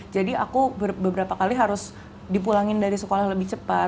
jadi aku beberapa kali harus dipulangin dari sekolah lebih cepat